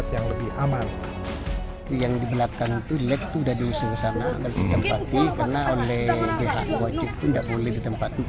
yang di belakang itu lektur dari usia kesana dan seperti karena oleh wajib tidak boleh ditempatkan